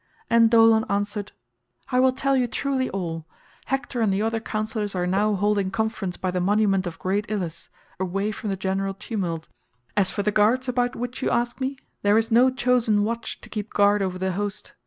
And Dolon answered, "I will tell you truly all. Hector and the other councillors are now holding conference by the monument of great Ilus, away from the general tumult; as for the guards about which you ask me, there is no chosen watch to keep guard over the host.